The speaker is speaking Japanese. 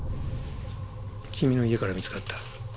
君の家から見つかった。